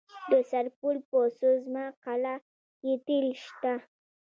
د سرپل په سوزمه قلعه کې تیل شته.